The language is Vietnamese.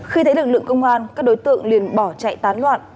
khi thấy lực lượng công an các đối tượng liền bỏ chạy tán loạn